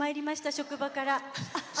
職場から。